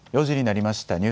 ４時になりました。